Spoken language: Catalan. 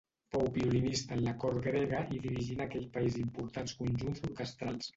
Fou violinista en la cort grega i dirigí en aquell país importants conjunts orquestrals.